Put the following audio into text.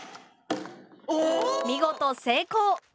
見事成功！